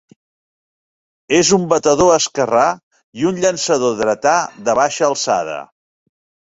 És un batedor esquerrà i un llançador dretà de baixa alçada.